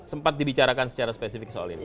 sempat dibicarakan secara spesifik soal ini